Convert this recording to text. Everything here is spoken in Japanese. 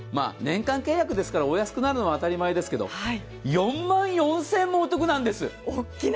年間契約ですから、お安くなるのは当たり前ですけど、４万４０００円もお得なんです。